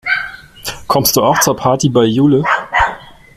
Kommst du auch zur Party bei Jule?